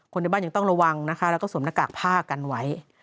ในบ้านยังต้องระวังนะคะแล้วก็สวมหน้ากากผ้ากันไว้